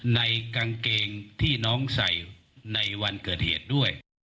ในกางเกงที่น้องใส่ในวันเกิดเหตุด้วย